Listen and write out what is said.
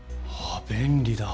あぁ便利だ。